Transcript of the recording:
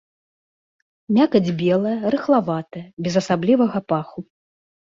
Мякаць белая, рыхлаватая, без асаблівага паху.